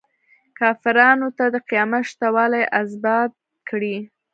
کافرانو ته د قیامت شته والی ازبات کړي.